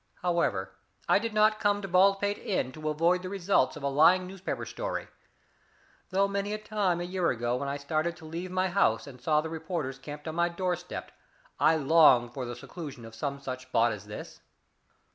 However, I did not come to Baldpate Inn to avoid the results of a lying newspaper story, though many a time, a year ago, when I started to leave my house and saw the reporters camped on my door step, I longed for the seclusion of some such spot as this.